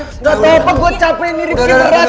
udah tepek gue capek nih rifki berat